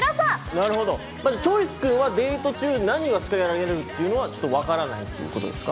なるほどチョイス君はデート中何が仕掛けられるというのは分からないっていうことですか？